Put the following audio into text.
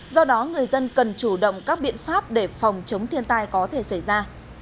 do đó người dân cần chủ động các biện pháp để phòng chống thiên tai có thể xảy ra